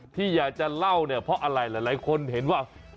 ที่อยากจะเล่าเนี่ยเพราะอะไรหลายคนเห็นว่า